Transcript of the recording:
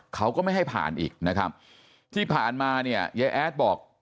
เขาก็ไม่ให้ผ่านอีกนะครับที่ผ่านมาเนี่ยยายแอดบอก